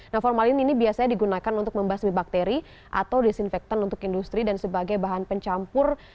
nah formalin ini biasanya digunakan untuk membasmi bakteri atau desinfektan untuk industri dan sebagai bahan pencampur